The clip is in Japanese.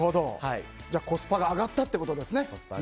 コスパが上がったってことですね。